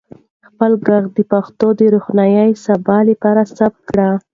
خپل ږغ د پښتو د روښانه سبا لپاره ثبت کړئ.